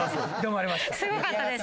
すごかったです。